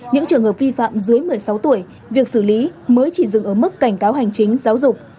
những trường hợp vi phạm dưới một mươi sáu tuổi việc xử lý mới chỉ dừng ở mức cảnh cáo hành chính giáo dục